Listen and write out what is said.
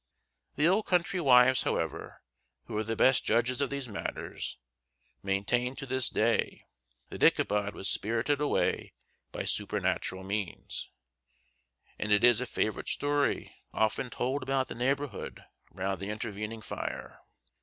The old country wives, however, who are the best judges of these matters, maintain to this day that Ichabod was spirited away by supernatural means; and it is a favorite story often told about the neighborhood round the intervening fire.